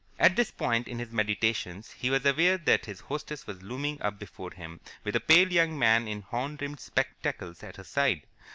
At this point in his meditations he was aware that his hostess was looming up before him with a pale young man in horn rimmed spectacles at her side.